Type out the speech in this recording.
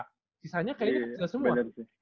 kisahnya kayaknya itu semua